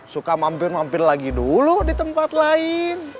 suka mampir mampir lagi dulu di tempat lain